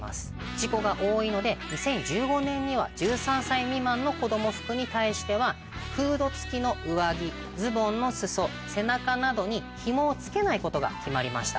事故が多いので２０１５年には１３歳未満の子供服に対してはフード付きの上着ズボンの裾背中などに紐を付けないことが決まりました。